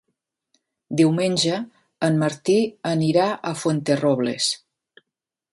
Diumenge en Martí anirà a Fuenterrobles.